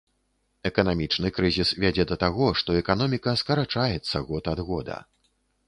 Эканамічны крызіс вядзе да таго, што эканоміка скарачаецца год ад года.